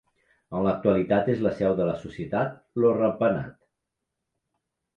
En l'actualitat és la seu de la societat Lo Rat Penat.